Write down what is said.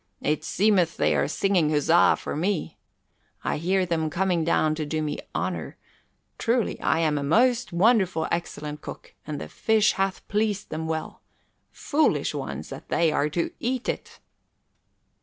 It seemeth they are singing huzza for me. I hear them coming down to do me honour. Truly, I am a most wonderful excellent cook and the fish hath pleased them well. Foolish ones that they are to eat it!"